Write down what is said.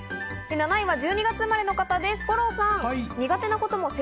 ７位は１２月生まれの方です、五郎さん。